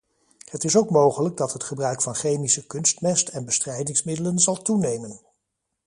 Het is ook mogelijk dat het gebruik van chemische kunstmest en bestrijdingsmiddelen zal toenemen.